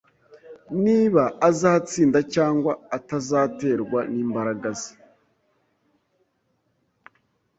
Niba azatsinda cyangwa atazaterwa nimbaraga ze.